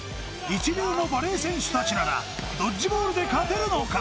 一流のバレー選手達ならドッジボールで勝てるのか？